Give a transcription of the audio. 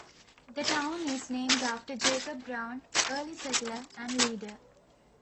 The town is named after Jacob Brown, early settler and leader.